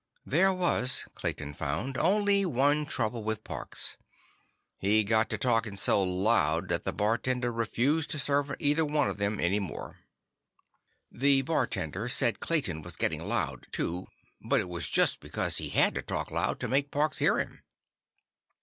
There was, Clayton found, only one trouble with Parks. He got to talking so loud that the bartender refused to serve either one of them any more. The bartender said Clayton was getting loud, too, but it was just because he had to talk loud to make Parks hear him.